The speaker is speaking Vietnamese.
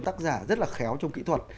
tác giả rất là khéo trong kỹ thuật